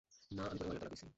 না, আমি তোরে ময়লার দলা কইছি!